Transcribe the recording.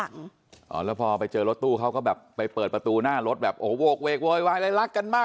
อันนี้คือหน้าแบงค์เลยนะ